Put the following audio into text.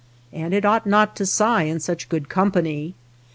And it ought not to sigh in such good company.